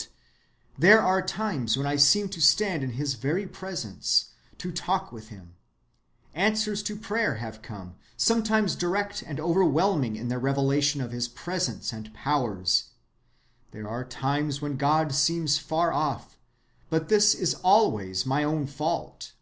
— "There are times when I seem to stand, in his very presence, to talk with him. Answers to prayer have come, sometimes direct and overwhelming in their revelation of his presence and powers. There are times when God seems far off, but this is always my own fault."